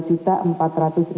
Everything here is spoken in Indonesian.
seperti pada tahun ini